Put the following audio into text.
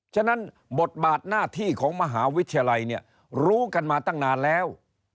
ฉะนั้นบทบาทหน้าที่ของมหาวิทยาลัยเนี่ยรู้กันมาตั้งนานแล้ว